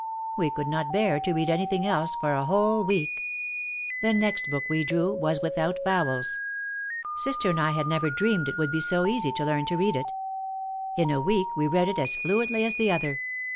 We could not bear to read anything else for a whole week. The next book we drew was without vowels. Sister and I had never dreamed it would be so easy to learn to read it. In a week we read it as fluently as the other.